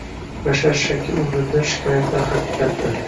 Bashar shaki umrindan shikoyatlar haqiqatdir